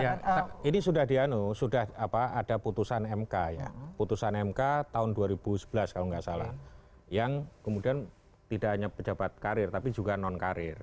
ya ini sudah dianu sudah ada putusan mk ya putusan mk tahun dua ribu sebelas kalau nggak salah yang kemudian tidak hanya pejabat karir tapi juga non karir